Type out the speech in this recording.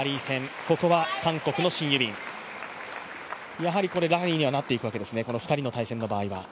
やはりラリーになっていくわけですね、この２人の対戦。